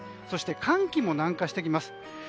そして、寒気も南下してきます。